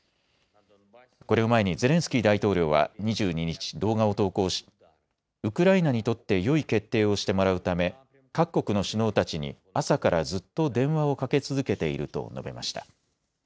これを前にゼレンスキー大統領は２２日、動画を投稿しウクライナにとってよい決定をしてもらうため各国の首脳たちに朝からずっと電話をかけ続けていると述べました。